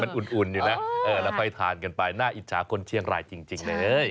มันอุ่นอยู่นะแล้วค่อยทานกันไปน่าอิจฉาคนเชียงรายจริงเลย